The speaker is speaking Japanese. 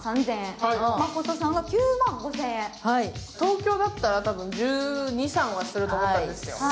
東京だったら多分１２１３万すると思うんですよ。